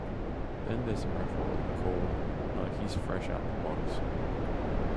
Then there's a record called 'Nikes Fresh Out the Box.